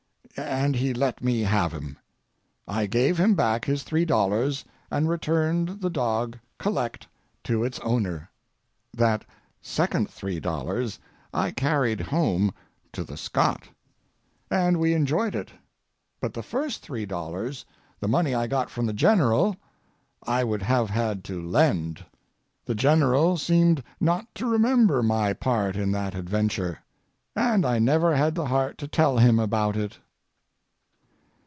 And he let me have him. I gave him back his $3 and returned the dog, collect, to its owner. That second $3 I carried home to the Scot, and we enjoyed it, but the first $3, the money I got from the General, I would have had to lend. The General seemed not to remember my part in that adventure, and I never had the heart to tell him about it.